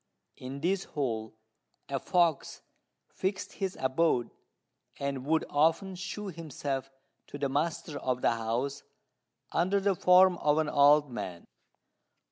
In this hole a fox fixed his abode, and would often shew himself to the master of the house under the form of an old man.